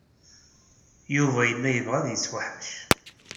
Yuba yella yebɣa ad yettwaḥmec.